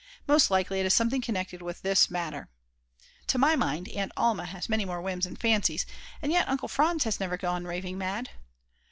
Most likely it is something connected with this matter. To my mind Aunt Alma has many more whims and fancies, and yet Uncle Franz has never gone raving mad.